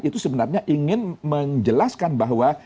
itu sebenarnya ingin menjelaskan bahwa